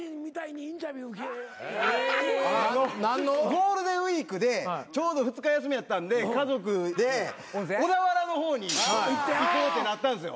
ゴールデンウイークでちょうど２日休みやったんで家族で小田原の方に行こうってなったんですよ。